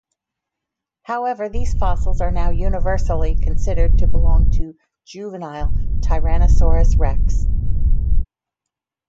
However, these fossils are now universally considered to belong to juvenile "Tyrannosaurus rex".